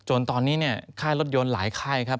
จนตอนนี้เนี่ยค่ายรถยนต์หลายค่ายครับ